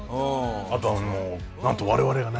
あとあのなんと我々がね！